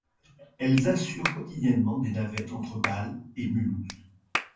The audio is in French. Elles assurent quotidiennement des navettes entre Bâle et Mulhouse.